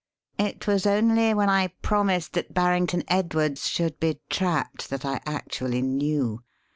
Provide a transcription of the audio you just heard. It was only when I promised that Barrington Edwards should be trapped, that I actually knew.